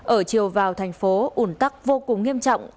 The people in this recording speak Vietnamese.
ở chiều vào thành phố ủn tắc vô cùng nghiêm trọng